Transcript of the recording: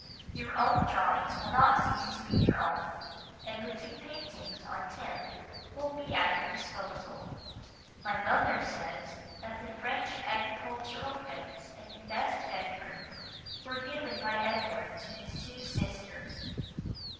Your own drawings will not cease to be your own, and the two paintings on tin will be at your disposal. My mother says that the French agricultural prints in the best bedroom were given by Edward to his two sisters."